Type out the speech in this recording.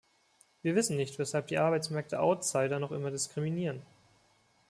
Wir wissen nicht, weshalb die Arbeitsmärkte "Outsider" noch immer diskriminieren.